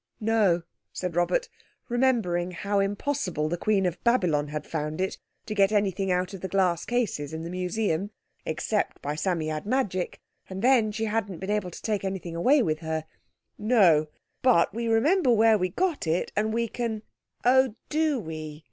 "No," said Robert, remembering how impossible the Queen of Babylon had found it to get anything out of the glass cases in the Museum—except by Psammead magic, and then she hadn't been able to take anything away with her; "no—but we remember where we got it, and we can—" "Oh, do we?"